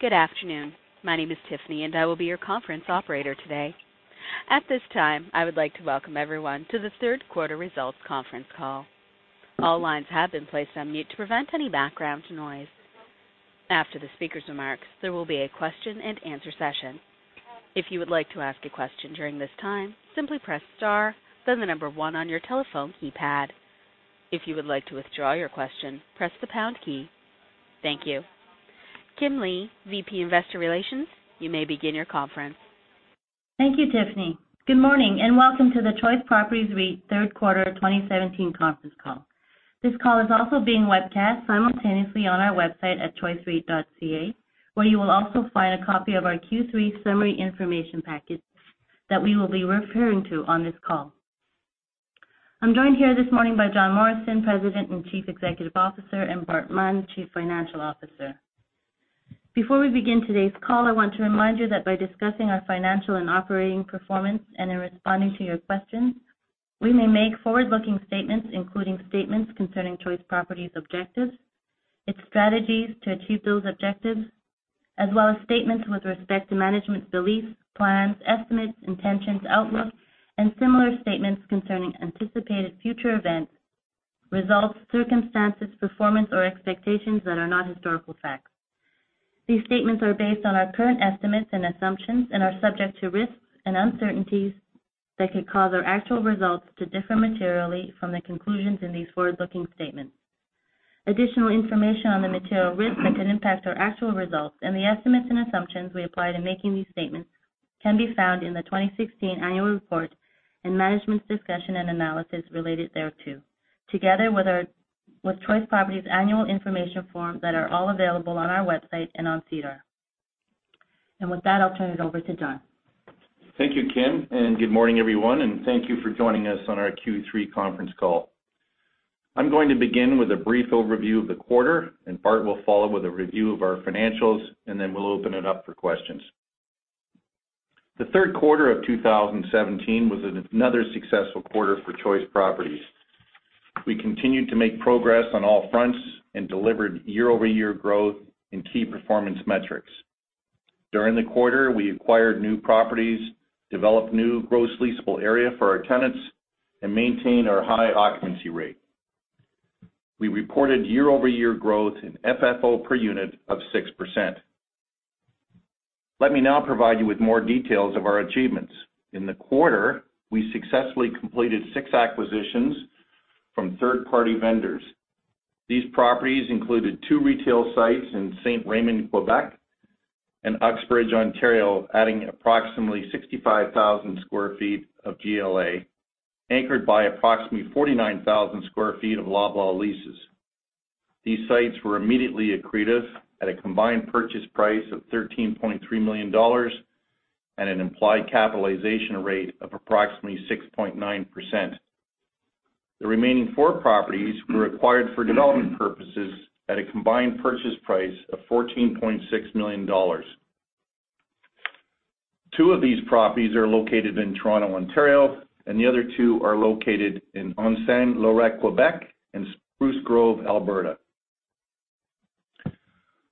Good afternoon. My name is Tiffany, and I will be your conference operator today. At this time, I would like to welcome everyone to the third quarter results conference call. All lines have been placed on mute to prevent any background noise. After the speaker's remarks, there will be a question and answer session. If you would like to ask a question during this time, simply press star, then the number one on your telephone keypad. If you would like to withdraw your question, press the pound key. Thank you. Kim Lee, VP Investor Relations, you may begin your conference. Thank you, Tiffany. Good morning. Welcome to the Choice Properties REIT Third Quarter 2017 Conference Call. This call is also being webcast simultaneously on our website at choicereit.ca, where you will also find a copy of our Q3 summary information package that we will be referring to on this call. I am joined here this morning by John Morrison, President and Chief Executive Officer, and Bart Munn, Chief Financial Officer. Before we begin today's call, I want to remind you that by discussing our financial and operating performance and in responding to your questions, we may make forward-looking statements, including statements concerning Choice Properties' objectives, its strategies to achieve those objectives, as well as statements with respect to management's beliefs, plans, estimates, intentions, outlook, and similar statements concerning anticipated future events, results, circumstances, performance, or expectations that are not historical facts. These statements are based on our current estimates and assumptions and are subject to risks and uncertainties that could cause our actual results to differ materially from the conclusions in these forward-looking statements. Additional information on the material risks that could impact our actual results and the estimates and assumptions we apply to making these statements can be found in the 2016 annual report and management's discussion and analysis related thereto, together with Choice Properties annual information forms that are all available on our website and on SEDAR. With that, I will turn it over to John. Thank you, Kim. Good morning, everyone. Thank you for joining us on our Q3 conference call. I am going to begin with a brief overview of the quarter. Bart will follow with a review of our financials. Then we will open it up for questions. The third quarter of 2017 was another successful quarter for Choice Properties. We continued to make progress on all fronts and delivered year-over-year growth in key performance metrics. During the quarter, we acquired new properties, developed new gross leasable area for our tenants, and maintained our high occupancy rate. We reported year-over-year growth in FFO per unit of 6%. Let me now provide you with more details of our achievements. In the quarter, we successfully completed six acquisitions from third-party vendors. These properties included two retail sites in Saint-Raymond, Quebec, and Uxbridge, Ontario, adding approximately 65,000 square feet of GLA, anchored by approximately 49,000 square feet of Loblaw leases. These sites were immediately accretive at a combined purchase price of 13.3 million dollars and an implied capitalization rate of approximately 6.9%. The remaining four properties were acquired for development purposes at a combined purchase price of 14.6 million dollars. Two of these properties are located in Toronto, Ontario, and the other two are located in L'Ancienne-Lorette, Quebec, and Spruce Grove, Alberta.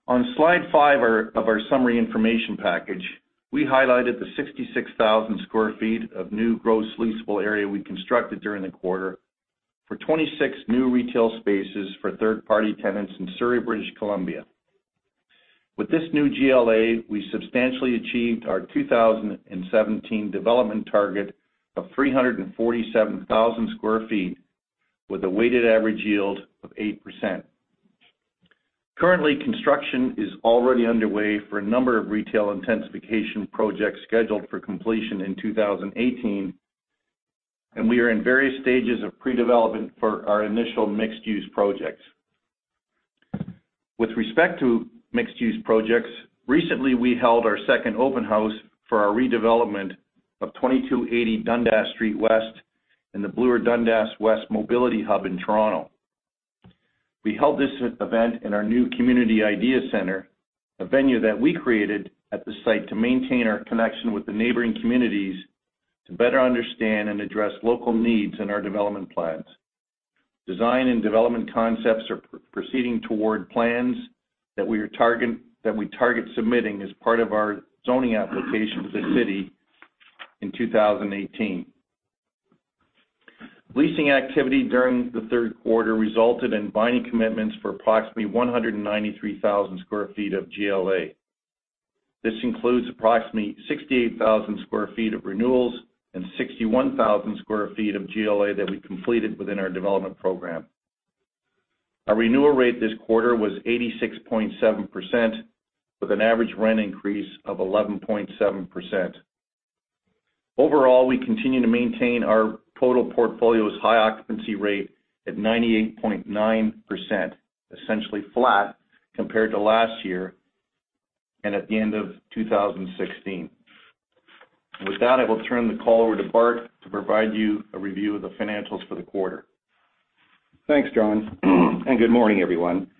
On slide five of our summary information package, we highlighted the 66,000 square feet of new gross leasable area we constructed during the quarter for 26 new retail spaces for third-party tenants in Surrey, British Columbia. With this new GLA, we substantially achieved our 2017 development target of 347,000 square feet with a weighted average yield of 8%. Currently, construction is already underway for a number of retail intensification projects scheduled for completion in 2018, and we are in various stages of pre-development for our initial mixed-use projects. With respect to mixed-use projects, recently, we held our second open house for our redevelopment of 2280 Dundas Street West in the Bloor-Dundas West Mobility Hub in Toronto. We held this event in our new Community Idea Center, a venue that we created at the site to maintain our connection with the neighboring communities to better understand and address local needs in our development plans. Design and development concepts are proceeding toward plans that we target submitting as part of our zoning application to the city in 2018. Leasing activity during the third quarter resulted in binding commitments for approximately 193,000 square feet of GLA. This includes approximately 68,000 square feet of renewals and 61,000 square feet of GLA that we completed within our development program. Our renewal rate this quarter was 86.7%, with an average rent increase of 11.7%. Overall, we continue to maintain our total portfolio's high occupancy rate at 98.9%, essentially flat compared to last year and at the end of 2016. With that, I will turn the call over to Bart to provide you a review of the financials for the quarter. Thanks, John. Good morning, everyone.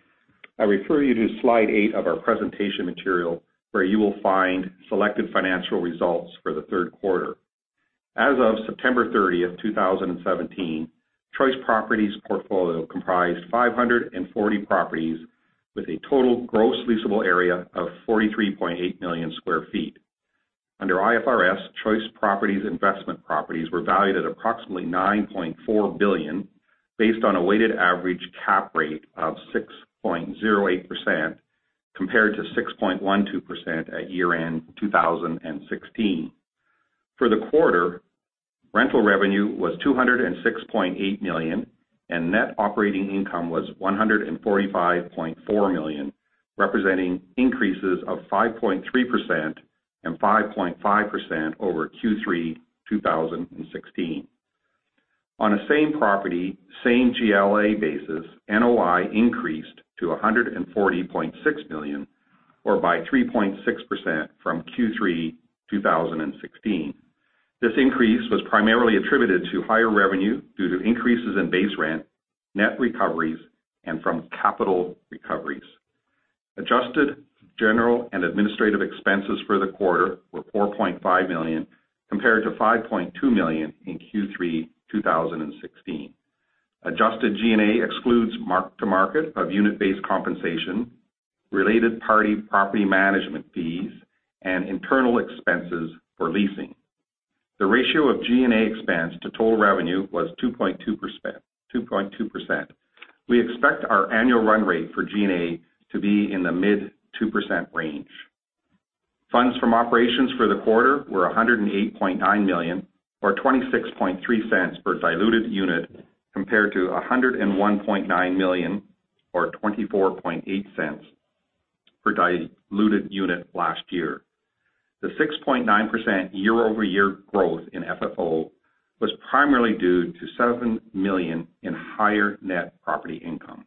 I refer you to slide eight of our presentation material, where you will find selected financial results for the third quarter. As of September 30th, 2017, Choice Properties portfolio comprised 540 properties with a total gross leasable area of 43.8 million sq ft. Under IFRS, Choice Properties investment properties were valued at approximately 9.4 billion, based on a weighted average cap rate of 6.08%, compared to 6.12% at year-end 2016. For the quarter, rental revenue was 206.8 million, and net operating income was 145.4 million, representing increases of 5.3% and 5.5% over Q3 2016. On a same property, same GLA basis, NOI increased to 140.6 million or by 3.6% from Q3 2016. This increase was primarily attributed to higher revenue due to increases in base rent, net recoveries, and from capital recoveries. Adjusted General and Administrative expenses for the quarter were 4.5 million, compared to 5.2 million in Q3 2016. Adjusted G&A excludes mark to market of unit-based compensation, related party property management fees, and internal expenses for leasing. The ratio of G&A expense to total revenue was 2.2%. We expect our annual run rate for G&A to be in the mid 2% range. Funds from operations for the quarter were 108.9 million, or 0.263 per diluted unit, compared to 101.9 million or 0.248 per diluted unit last year. The 6.9% year-over-year growth in FFO was primarily due to 7 million in higher net property income.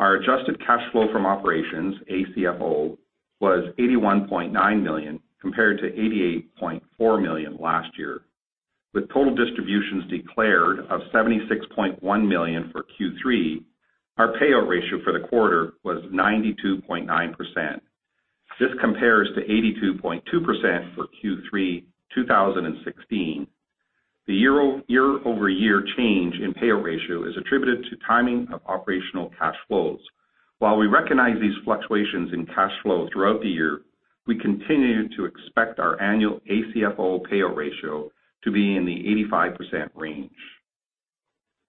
Our adjusted cash flow from operations, ACFO, was 81.9 million, compared to 88.4 million last year. With total distributions declared of 76.1 million for Q3, our payout ratio for the quarter was 92.9%. This compares to 82.2% for Q3 2016. The year-over-year change in payout ratio is attributed to timing of operational cash flows. While we recognize these fluctuations in cash flow throughout the year, we continue to expect our annual ACFO payout ratio to be in the 85% range.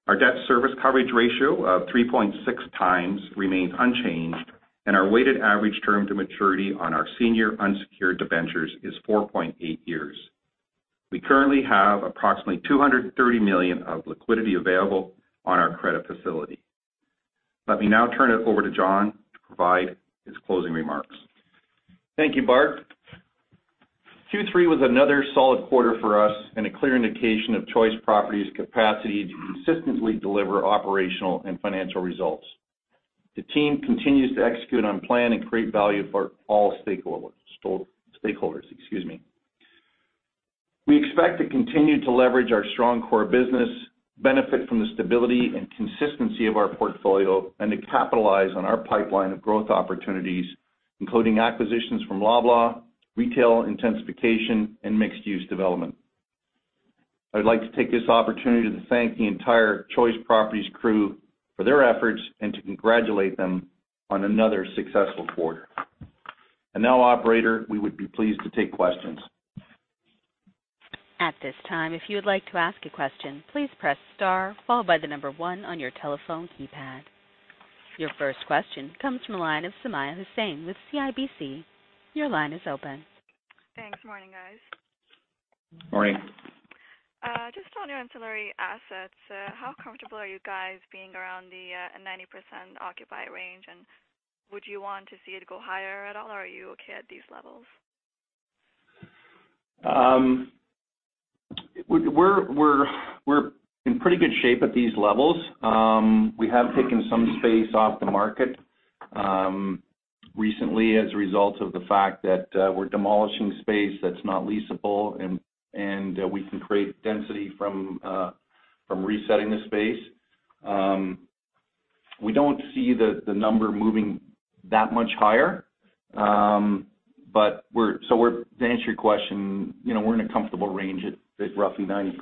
Our debt service coverage ratio of 3.6 times remains unchanged, and our weighted average term to maturity on our senior unsecured debentures is 4.8 years. We currently have approximately 230 million of liquidity available on our credit facility. Let me now turn it over to John to provide his closing remarks. Thank you, Bart. Q3 was another solid quarter for us and a clear indication of Choice Properties' capacity to consistently deliver operational and financial results. The team continues to execute on plan and create value for all stakeholders. Excuse me. We expect to continue to leverage our strong core business, benefit from the stability and consistency of our portfolio, and to capitalize on our pipeline of growth opportunities, including acquisitions from Loblaw, retail intensification, and mixed-use development. I would like to take this opportunity to thank the entire Choice Properties crew for their efforts and to congratulate them on another successful quarter. Now, operator, we would be pleased to take questions. At this time, if you would like to ask a question, please press star followed by the number 1 on your telephone keypad. Your first question comes from the line of Sumayya Hussain with CIBC. Your line is open. Thanks. Morning, guys. Morning. Just on your ancillary assets, how comfortable are you guys being around the 90% occupied range, and would you want to see it go higher at all, or are you okay at these levels? We're in pretty good shape at these levels. We have taken some space off the market recently as a result of the fact that we're demolishing space that's not leasable, and we can create density from resetting the space. We don't see the number moving that much higher. To answer your question, we're in a comfortable range at roughly 90%.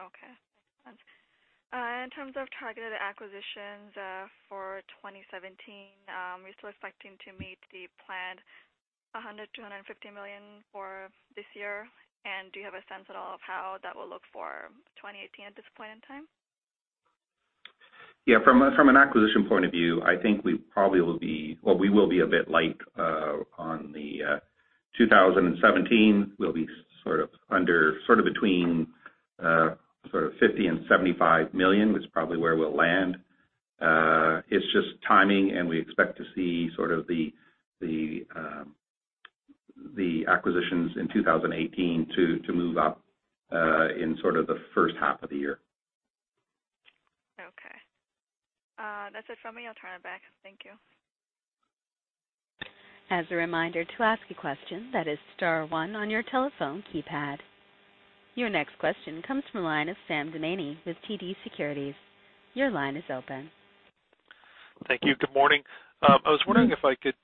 Okay. Thanks. In terms of targeted acquisitions for 2017, are we still expecting to meet the planned 100 million-150 million for this year? Do you have a sense at all of how that will look for 2018 at this point in time? Yeah. From an acquisition point of view, I think we will be a bit light on the 2017. We'll be between 50 million-75 million, which is probably where we'll land. It's just timing, we expect to see the acquisitions in 2018 to move up in the first half of the year. Okay. That's it from me. I'll turn it back. Thank you. As a reminder, to ask a question, that is star one on your telephone keypad. Your next question comes from the line of Sam Damiani with TD Securities. Your line is open. Thank you. Good morning. I was wondering if I could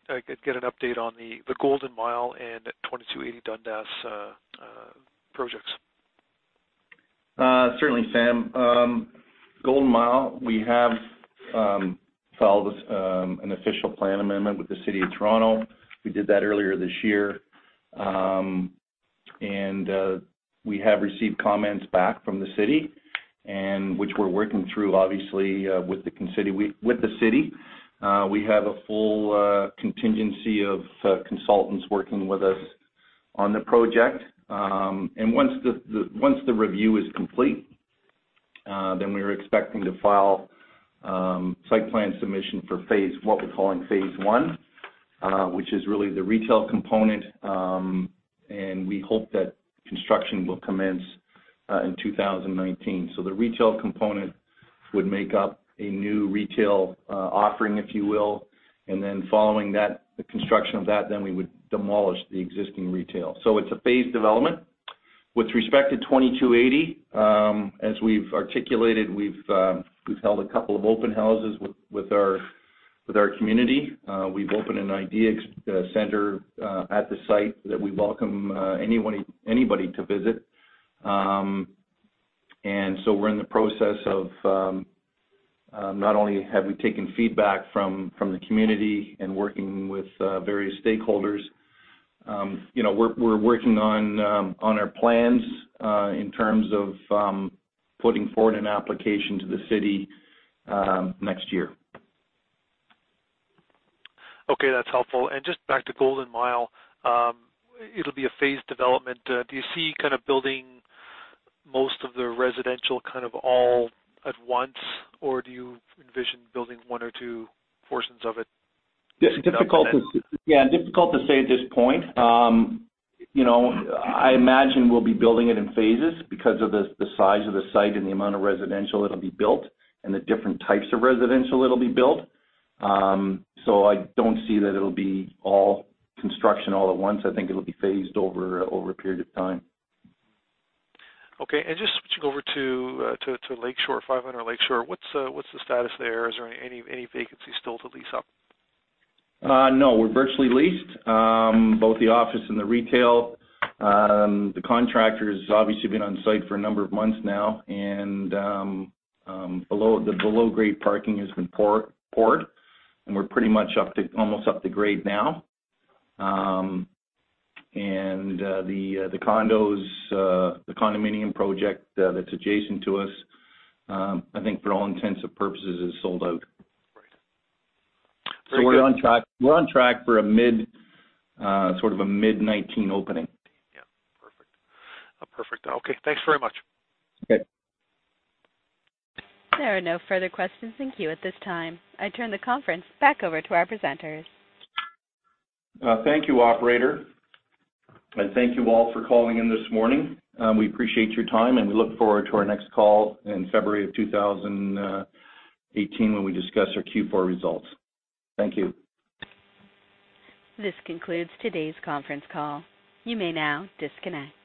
get an update on the Golden Mile and 2280 Dundas projects. Certainly, Sam. Golden Mile, we have filed an official plan amendment with the city of Toronto. We did that earlier this year. We have received comments back from the city, which we're working through, obviously, with the city. We have a full contingency of consultants working with us on the project. Once the review is complete, then we are expecting to file site plan submission for what we're calling phase 1, which is really the retail component. We hope that construction will commence in 2019. The retail component would make up a new retail offering, if you will. Following the construction of that, then we would demolish the existing retail. It's a phased development. With respect to 2280, as we've articulated, we've held a couple of open houses with our community. We've opened an idea center at the site that we welcome anybody to visit. We're in the process of not only have we taken feedback from the community and working with various stakeholders, we're working on our plans in terms of putting forward an application to the city next year. Okay. That's helpful. Just back to Golden Mile. It'll be a phased development. Do you see kind of building most of the residential all at once or do you envision building one or two portions of it? Yeah. Difficult to say at this point. I imagine we'll be building it in phases because of the size of the site and the amount of residential that'll be built and the different types of residential that'll be built. I don't see that it'll be all construction all at once. I think it'll be phased over a period of time. Okay. Just switching over to 500 Lakeshore. What's the status there? Is there any vacancies still to lease up? No, we're virtually leased, both the office and the retail. The contractor's obviously been on site for a number of months now, and the below-grade parking has been poured, and we're pretty much almost up to grade now. The condominium project that's adjacent to us, I think for all intents and purposes, is sold out. Right. We're on track for sort of a mid-2019 opening. Yeah. Perfect. Okay, thanks very much. Okay. There are no further questions in queue at this time. I turn the conference back over to our presenters. Thank you, operator. Thank you all for calling in this morning. We appreciate your time, and we look forward to our next call in February of 2018 when we discuss our Q4 results. Thank you. This concludes today's conference call. You may now disconnect.